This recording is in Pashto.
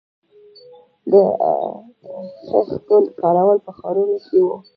د خښتو کارول په ښارونو کې وو